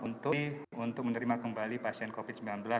untuk menerima kembali pasien covid sembilan belas